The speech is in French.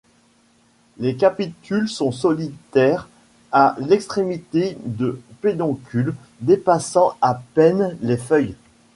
Les capitules sont solitaires à l'extrémité de pédoncules dépassant à peine les feuilles.